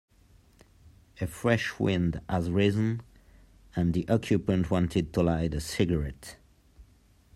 A fresh wind had risen, and the occupant wanted to light a cigarette.